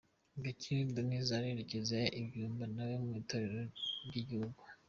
Gakire Denise arerekeza i Nkumba nawe mu itorero ry'igihugu.